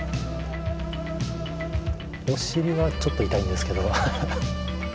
お尻はちょっと痛いんですけど。